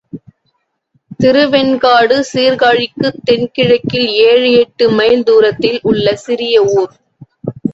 திருவெண்காடு சீர்காழிக்குத் தென் கிழக்கில் ஏழு எட்டு மைல் தூரத்தில் உள்ள சிறிய ஊர்.